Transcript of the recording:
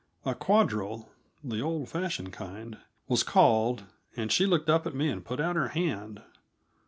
A quadrille the old fashioned kind was called, and she looked up at me and put out her hand.